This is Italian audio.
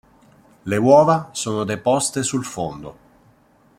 Le uova sono deposte sul fondo.